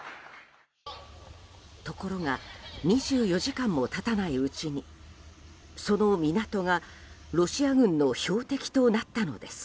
ところが２４時間も経たないうちにその港がロシア軍の標的となったのです。